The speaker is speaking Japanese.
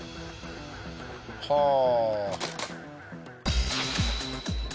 はあ！